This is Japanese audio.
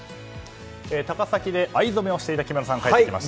高崎で藍染をしていた木村さんが帰ってきました。